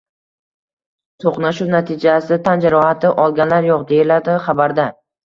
“To‘qnashuv natijasida tan jarohati olganlar yo‘q”, — deyiladi xabarda